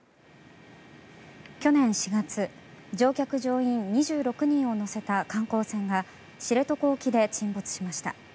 去年４月、乗客・乗員２６人を乗せた観光船が知床沖で沈没しました。